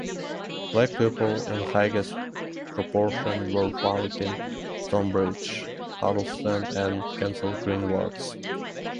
Black people in highest proportion were found in Stonebridge, Harlesden and Kensal Green wards.